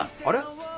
あれ？